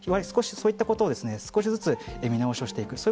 少し、そういったことを少しずつ見直しをしていく。